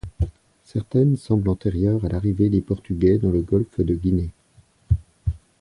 Certaines semblent antérieures à l'arrivée des Portugais dans le golfe de Guinée.